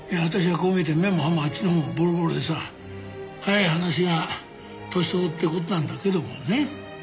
こう見えて目も歯もあっちのほうもボロボロでさ早い話が年相応って事なんだけどもね。